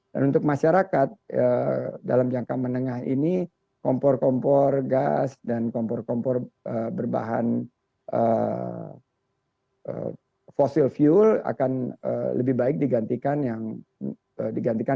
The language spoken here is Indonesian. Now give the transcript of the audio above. dan untuk masyarakat dalam jangka menengah ini kompor kompor gas dan kompor kompor berbahan fossil fuel akan lebih baik digantikan yang berbahan